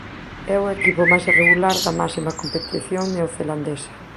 É o equipo mais irregular da máxima competición neozelandesa.